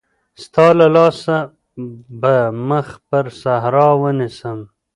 ستا له لاسه به مخ پر صحرا ونيسم.